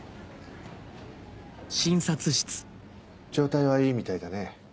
状態はいいみたいだね。